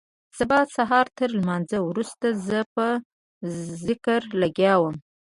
سبا سهارتر لمانځه وروسته زه په ذکر لگيا وم.